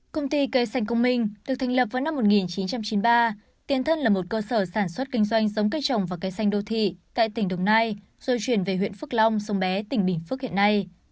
công ty cây xanh công minh được thành lập vào năm một nghìn chín trăm chín mươi ba tiên thân là một cơ sở sản xuất kinh doanh giống cây trồng và cây xanh đô thị tại tỉnh đồng nai rồi chuyển về huyện phước long sông bé tỉnh bình phước hiện nay